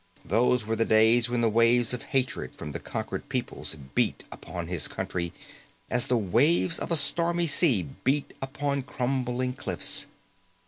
Those were the days when the waves of hatred from the conquered peoples beat upon his country as the waves of a stormy sea beat upon crumbling cliffs.